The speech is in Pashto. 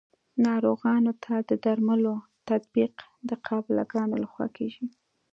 ناروغانو ته د درملو تطبیق د قابله ګانو لخوا کیږي.